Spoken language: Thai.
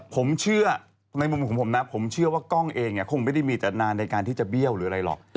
ผมเชื่อในมุมของผมนะผมเชื่อว่ากล้องเองคงไม่ได้มีแต่นานในการที่จะเบี้ยวหรืออะไรหรอก